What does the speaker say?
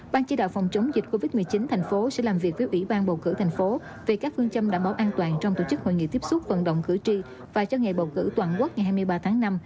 ban chỉ đạo phòng chống dịch covid một mươi chín thành phố sẽ làm việc với ủy ban bầu cử thành phố về các phương châm đảm bảo an toàn trong tổ chức hội nghị tiếp xúc vận động cử tri và cho ngày bầu cử toàn quốc ngày hai mươi ba tháng năm